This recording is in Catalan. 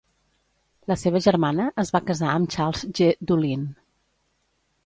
La seva germana es va casar amb Charles G. Dulin.